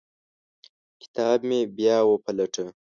کتاب مې بیا وپلټه.